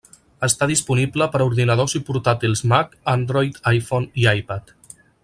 Està disponible per a ordinadors i portàtils Mac, Android, iPhone i iPad.